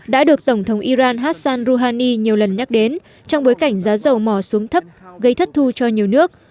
đã được tổng thống iran hassan rouhani nhiều lần nhắc đến trong bối cảnh giá dầu mỏ xuống thấp gây thất thu cho nhiều nước